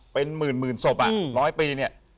เป็นหมื่นศพอ่ะร้อยปีเนี่ย